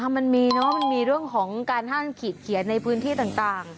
มันมีเนอะมันมีเรื่องของการห้ามขีดเขียนในพื้นที่ต่าง